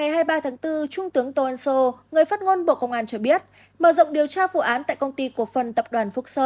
hãy đăng ký kênh để ủng hộ kênh của chúng mình nhé